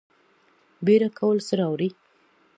بیړه کول څه راوړي؟